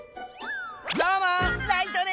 どうもライトです！